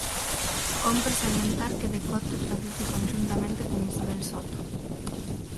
Cómpre salientar que decote traduce conxuntamente con Isabel Soto.